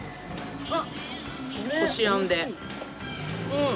うん。